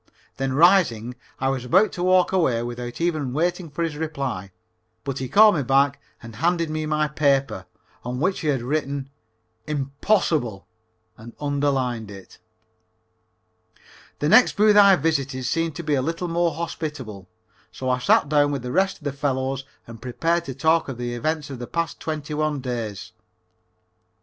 Then rising, I was about to walk away without even waiting for his reply, but he called me back and handed me my paper, on which he had written "Impossible" and underlined it. The next booth I visited seemed to be a little more hospitable, so I sat down with the rest of the fellows and prepared to talk of the events of the past twenty one days.